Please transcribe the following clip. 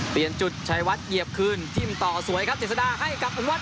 เปลี่ยนจุดชัยวัดเหยียบคืนจิ้มต่อสวยครับเจษดาให้กับอนุวัฒ